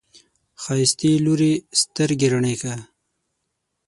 ښايستې لورې، سترګې رڼې که!